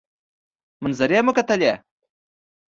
منظرې مو کتلې.